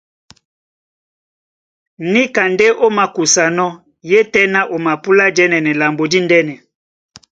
Níka ndé ó makusanɔ́, yétɛ̄ná o mapúlá jɛ́nɛnɛ lambo díndɛ̄nɛ.